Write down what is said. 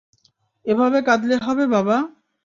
এভাবে কাঁদলে হবে, বাবা?